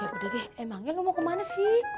ya udah deh emangnya lu mau ke mana sih